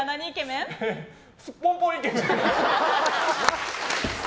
すっぽんぽんイケメン。